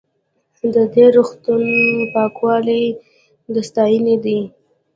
د دې روغتون پاکوالی د ستاینې دی.